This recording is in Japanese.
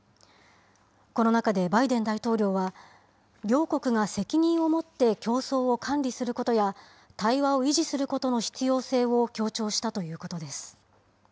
この中でバイデン大統領は、両国が責任を持って競争を管理することや、対話を維持することの必要性を強調したということです。